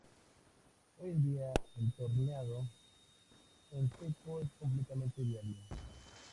Hoy en día el torneado en seco es completamente viable.